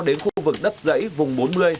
đến khu vực đất dẫy vùng bốn mươi